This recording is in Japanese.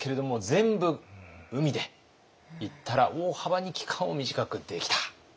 全部海で行ったら大幅に期間を短くできた。